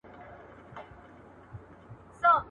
نه طبیب سوای له مرګي را ګرځولای `